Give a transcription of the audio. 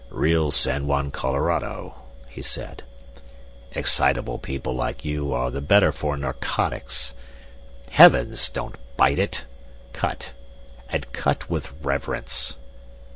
"Real San Juan Colorado," he said. "Excitable people like you are the better for narcotics. Heavens! don't bite it! Cut and cut with reverence!